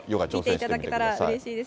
見ていただけたらうれしいです。